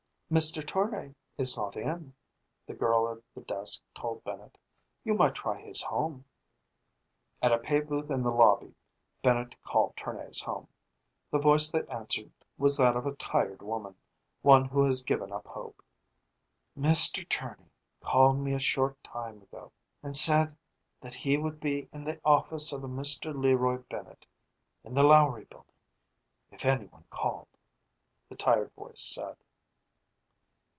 "Mr. Tournay is not in," the girl at the desk told Bennett. "You might try his home." At a pay booth in the lobby, Bennett called Tournay's home. The voice that answered was that of a tired woman, one who has given up hope. "Mr. Tournay called me a short time ago and said that he would be in the office of a Mr. Leroy Bennett, in the Lowry building, if anyone called," the tired voice said.